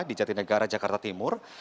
di jatinegara jakarta timur